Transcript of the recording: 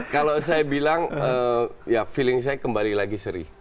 kalau saya bilang ya feeling saya kembali lagi seri